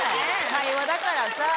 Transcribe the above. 会話だからさ。